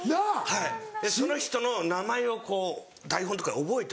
はいでその人の名前をこう台本とかで覚えといて。